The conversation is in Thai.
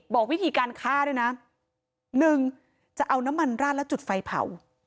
บอกวิธีการฆ่าด้วยนะหนึ่งจะเอาน้ำมันราดแล้วจุดไฟเผา